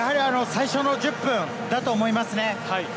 最初の１０分だと思いますね。